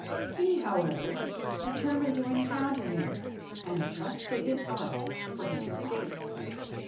He, however, determined to encounter him, and trust to his art for his escape.